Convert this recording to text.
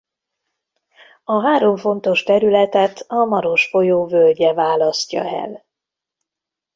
A három fontos területet a Maros folyó völgye választja el.